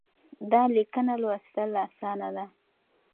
دا ليکنه لوستل اسانه ده.